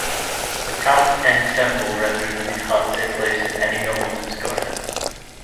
The 'tout ensemble' renders these huts a place in any nobleman's garden.